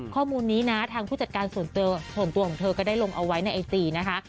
ข้อมูลนี้นะทางผู้จัดการส่วนตัวของเธอก็ได้ลงเอาไว้ในไอจีนะคะ